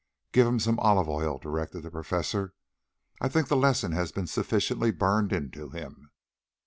"Give him some olive oil," directed the Professor. "I think the lesson has been sufficiently burned into him."